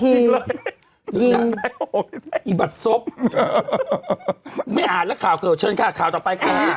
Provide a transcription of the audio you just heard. นี่อีบัติศพไม่อ่านแล้วข่าวเกิดเชิญค่ะข่าวต่อไปค่ะ